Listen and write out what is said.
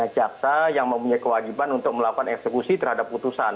jaksa yang mempunyai kewajiban untuk melakukan eksekusi terhadap putusan